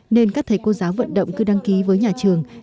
nên các thầy cô giáo vận động cứ đăng ký với nhà trường